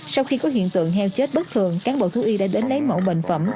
sau khi có hiện tượng heo chết bất thường cán bộ thú y đã đến lấy mẫu bệnh phẩm